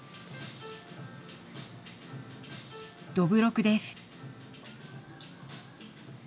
どぶろくです。